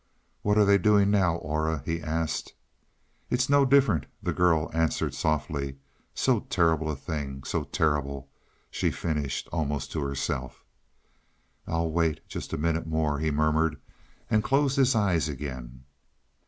"What are they doing now, Aura?" he asked. "It is no different," the girl answered softly. "So terrible a thing so terrible " she finished almost to herself. "I'll wait just a minute more," he murmured and closed his eyes again.